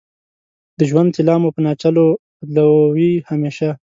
د ژوند طلا مو په ناچلو بدلوې همیشه